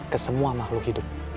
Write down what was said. ke semua makhluk hidup